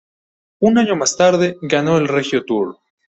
Un año más tarde, ganó el Regio-Tour.